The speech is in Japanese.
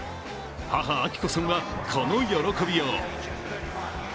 母・明子さんはこの喜びよう。